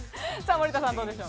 森田さん、どうでしょう。